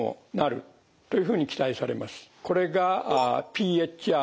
これがＰＨＲ